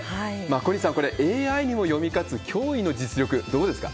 小西さん、これ、ＡＩにも読み勝つ驚異の実力、どうですか？